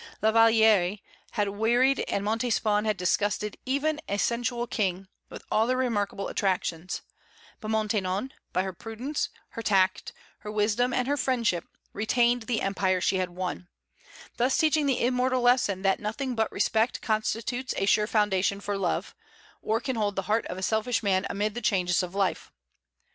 La Vallière had wearied and Montespan had disgusted even a sensual king, with all their remarkable attractions; but Maintenon, by her prudence, her tact, her wisdom, and her friendship, retained the empire she had won, thus teaching the immortal lesson that nothing but respect constitutes a sure foundation for love, or can hold the heart of a selfish man amid the changes of life.